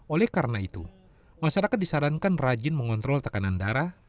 oleh karena itu masyarakat disarankan rajin mengontrol tekanan darah